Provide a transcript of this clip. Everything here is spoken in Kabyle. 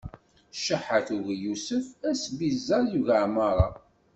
Ceḥḥa tugi Yusef, asbizzer yugi Ɛmaṛa.